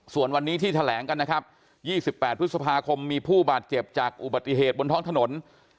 ส่วนวันนี้ที่แถลงกันนะครับ๒๘พฤษภาคมมีผู้บาดเจ็บจากอุบัติเหตุบนท้องถนน